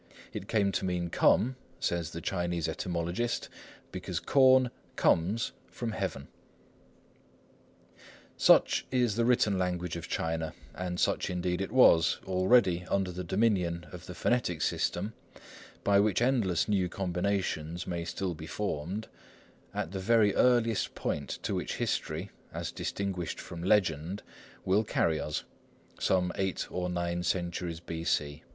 It came to mean "come," says the Chinese etymologist, "because corn _comes" from heaven." Such is the written language of China, and such indeed it was, already under the dominion of the phonetic system, by which endless new combinations may still be formed, at the very earliest point to which history, as distinguished from legend, will carry us,—some eight or nine centuries B.C.